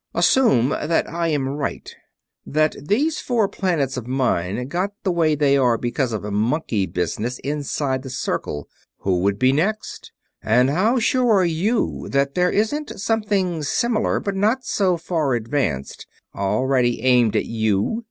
Assume that I am right, that these four planets of mine got the way they are because of monkey business inside the Circle. Who would be next? And how sure are you that there isn't something similar, but not so far advanced, already aimed at you?